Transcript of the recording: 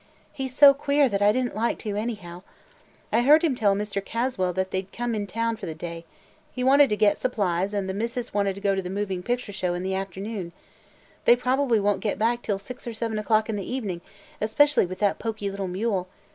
He 's so queer that I did n't like to, anyhow. I heard him tell Mr. Caswell that they 'd come in town for the day. He wanted to get supplies and 'the missis' wanted to go to the moving picture show in the afternoon. They probably won't get back till six or seven o'clock in the evening especially with that poky little mule.